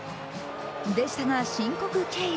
でしたが申告敬遠。